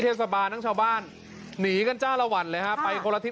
เทศบาลทั้งชาวบ้านหนีกันจ้าละวันเลยฮะไปคนละทิศ